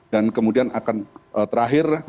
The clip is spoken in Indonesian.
dan kemudian akan terakhir